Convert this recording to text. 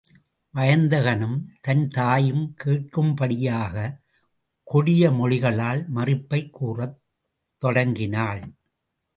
வயந்தகனும் தன் தாயும் கேட்கும் படியாகக் கொடிய மொழிகளால் மறுப்பைக் கூறத் தொடங்கினாள்.